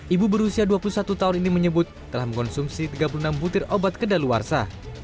ibu berusia dua puluh satu tahun ini menyebut telah mengkonsumsi tiga puluh enam butir obat kedaluarsa